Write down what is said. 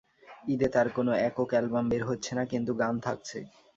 ঈদে তাঁর কোনো একক অ্যালবাম বের হচ্ছে না, কিন্তু গান থাকছে।